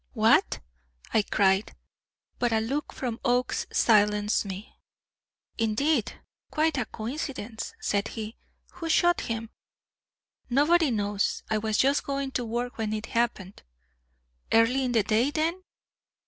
"What!" I cried; but a look from Oakes silenced me. "Indeed! quite a coincidence," said he. "Who shot him?" "Nobody knows. I was just going to work when it happened." "Early in the day, then?"